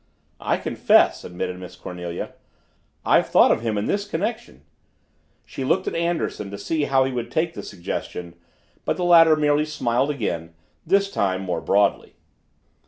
"I confess," admitted Miss Cornelia, "I've thought of him in this connection." She looked at Anderson to see how he would take the suggestion but the latter merely smiled again, this time more broadly.